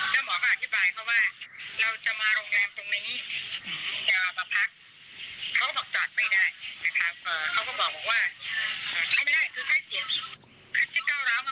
เขาก็บอกจอดไม่ได้ครับเขาก็บอกว่าใช้ไม่ได้คือใช้เสียงที่ก้าวร้าวมากเราก็ตกใจ